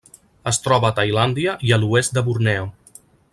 Es troba a Tailàndia i a l'oest de Borneo.